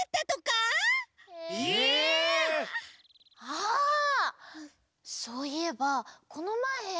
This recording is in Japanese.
あそういえばこのまえ。